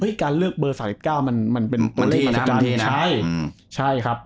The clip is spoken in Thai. เฮ้ยการเลือกเบอร์๓๙มันเป็นตัวเลข๓๙ใช่ครับ